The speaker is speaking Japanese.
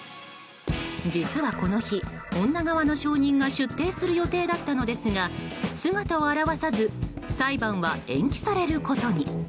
実はこの日、女側の証人が出廷する予定だったのですが姿を現さず裁判は延期されることに。